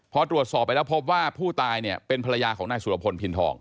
พอตรวจสอบไปแล้วพบว่าผู้ตายเนี่ยเป็นภรรยาของนายสุรพลพินทอง